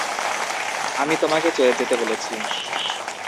আমি তোমাকে চলে যেতে বলেছি।